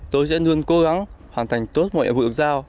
tôi sẽ luôn cố gắng hoàn thành tốt mọi nhiệm vụ được giao